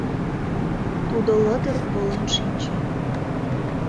Тудо лыдыр волен шинче.